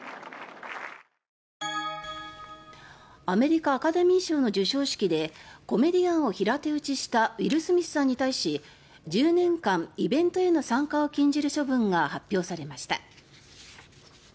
アメリカアカデミー賞の授賞式でコメディアンを平手打ちしたウィル・スミスさんに対し１０年間、イベントへの参加を禁じる処分が発表されました。